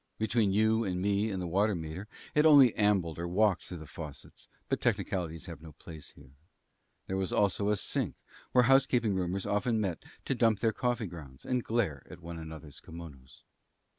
Between you and me and the water meter, it only ambled or walked through the faucets; but technicalities have no place here. There was also a sink where housekeeping roomers often met to dump their coffee grounds and glare at one another's kimonos.